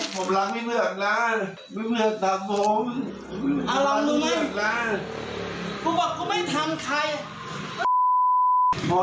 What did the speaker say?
อาลุชาขอโทษไม่ปกติไม่ทำชายหรอกทำไมไปทำมาพร้อมทางนี้หรอก